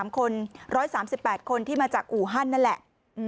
๓คน๑๓๘คนที่มาจากอู่ฮั่นนั่นแหละ